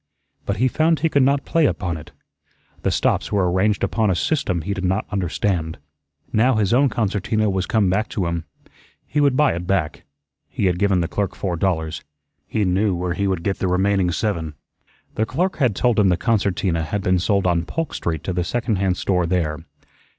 But he found he could not play upon it. The stops were arranged upon a system he did not understand. Now his own concertina was come back to him. He would buy it back. He had given the clerk four dollars. He knew where he would get the remaining seven. The clerk had told him the concertina had been sold on Polk Street to the second hand store there.